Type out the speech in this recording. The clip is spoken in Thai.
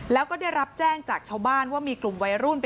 แล้วก็ได้รับแจ้งจากชาวบ้านว่ามีกลุ่มวัยรุ่น